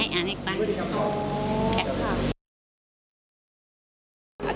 ให้อ่านให้ป้า